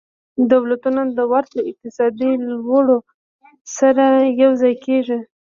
دولتونه د ورته اقتصادي لورو سره یوځای کیږي